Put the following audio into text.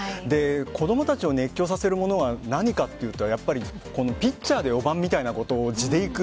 子供たちを熱狂させるものは何かと言ったらピッチャーで４番みたいなことを地で行く。